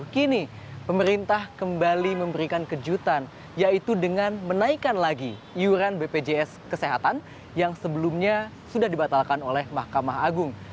kini pemerintah kembali memberikan kejutan yaitu dengan menaikkan lagi iuran bpjs kesehatan yang sebelumnya sudah dibatalkan oleh mahkamah agung